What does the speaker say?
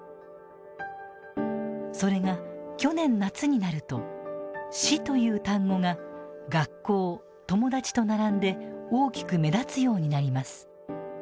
それが去年夏になると「死」という単語が「学校」「友達」と並んで大きく目立つようになります。